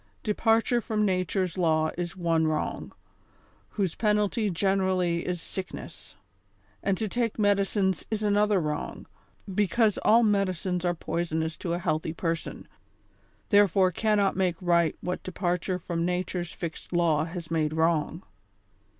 Departure from nature's law is one wrong, whose penalty generally is sick ness ; and to take medicines is another wrong, because all medicines are poisonous to a healthy person, therefore cannot make right what departure from nature's fixed law has made wrong.